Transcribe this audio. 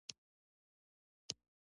دولت به د دې شورا په ترتیب کې برخه ولري.